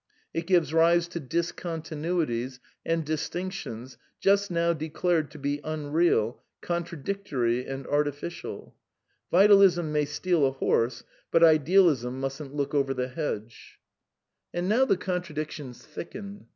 It gives rise to discontinuities and distinctions just now declared to be unreal, contradictory and artificial. Vitalism may steal a horse, but idealism mustn't look , over the hedge. \ VITALISM 51 « And now the contradictions thicken.